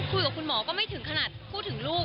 คุยกับคุณหมอก็ไม่ถึงขนาดพูดถึงลูก